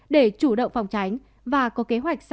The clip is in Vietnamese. để chủ động phòng tránh và có kế hoạch sản xuất